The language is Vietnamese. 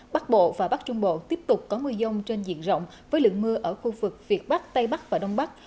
bắc bộ và bắc trung bộ tiếp tục có mưa dông trên diện rộng với lượng mưa ở khu vực việt bắc tây bắc và đông bắc